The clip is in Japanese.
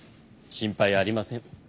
心配ありません。